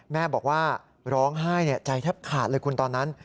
แม่บอกว่าร้องไห้ใจแทบขาดเลยคุณตอนนั้น